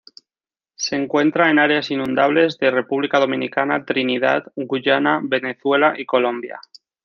Se encuentra en áreas inundables de República Dominicana, Trinidad, Guyana, Venezuela y Colombia.